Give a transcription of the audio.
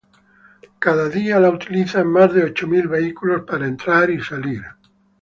Cada día la utilizan más de ocho mil vehículos para entrar y para salir.